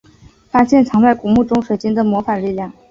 发现藏在古墓中水晶的魔法力量。